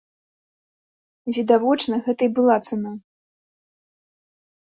Відавочна, гэта і была цана.